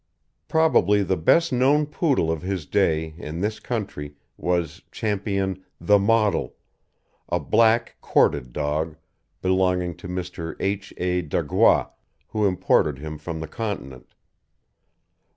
Probably the best known Poodle of his day in this country was Ch. The Model, a black corded dog belonging to Mr. H. A. Dagois, who imported him from the Continent.